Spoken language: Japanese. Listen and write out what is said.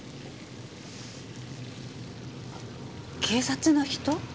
警察の人？